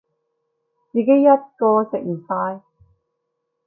自己一個食唔晒